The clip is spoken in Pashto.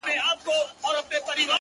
دا ستاد كلـي كـاڼـى زمـا دوا ســـوه-